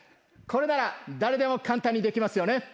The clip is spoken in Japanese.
これなら誰でも簡単にできますよね。